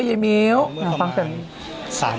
เตรียมงาน